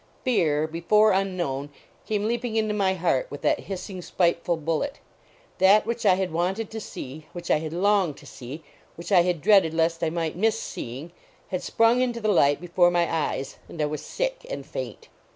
Fear, be fore unknown, came leaping into my heart with that hissing, spiteful bullet. That which I had wanted to see, which I had longed to see, which I had dreaded lest I might miss see ing, had sprung into the light before my eyes, and I was sick and faint.